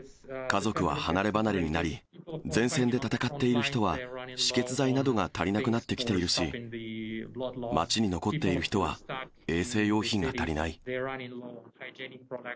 家族は離れ離れになり、前線で戦っている人は、止血剤などが足りなくなってきているし、街に残っている人は衛生用品が足りない。